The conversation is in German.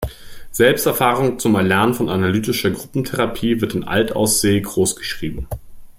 Selbsterfahrung zum Erlernen von analytischer Gruppentherapie wird in Altaussee großgeschrieben.